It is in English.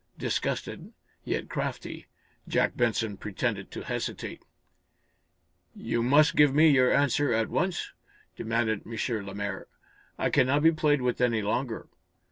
Disgusted, yet crafty, Jack Benson pretended to hesitate. "You must give me your answer at once," demanded M. Lemaire. "I cannot be played with any longer."